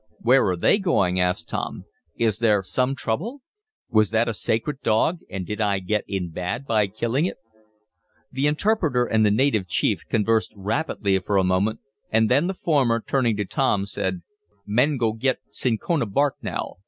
"Where are they going?" asked Tom. "Is there some trouble? Was that a sacred dog, and did I get in bad by killing it?" The interpreter and the native chief conversed rapidly for a moment and then the former, turning to Tom, said: "Men go git cinchona bark now.